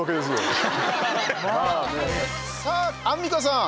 さあアンミカさん。